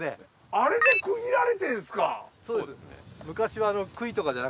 あれで区切られてるんですか。